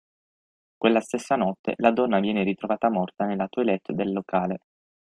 Quella stessa notte la donna viene ritrovata morta nella toilette del locale.